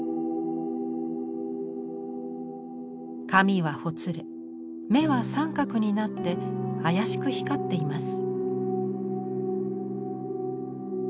髪はほつれ眼は三角になって妖しく光っています。